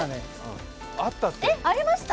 えっ、ありました？